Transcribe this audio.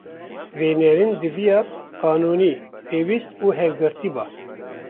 venêrîn diviya “qanûnî”, pêwîst û hevgirtî” ba;